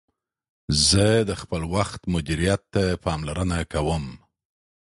زه د خپل وخت مدیریت ته پاملرنه کوم.